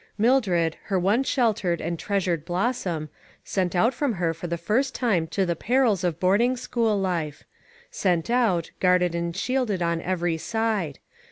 Mil dred, her one sheltered and treasured blossom, sent out from her for the first time to the perils of boarding school life. Sent out, guarded and shielded on every side.